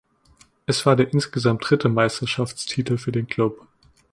Es war der insgesamt dritte Meisterschaftstitel für den Klub.